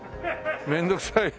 面倒くさいよ。